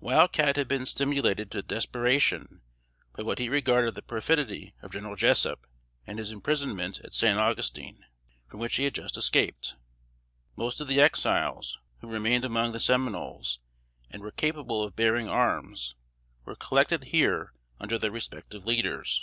Wild Cat had been stimulated to desperation by what he regarded the perfidy of General Jessup, and his imprisonment at San Augustine, from which he had just escaped. Most of the Exiles, who remained among the Seminoles, and were capable of bearing arms, were collected here under their respective leaders.